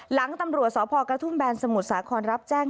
หลังตำรวจสคฐุ้มแบนสมุทรสมุทรรศาคณรับแจ้ง